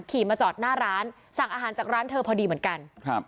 ขี่มาจอดหน้าร้านสั่งอาหารจากร้านเธอพอดีเหมือนกันครับ